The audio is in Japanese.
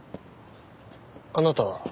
あなたは？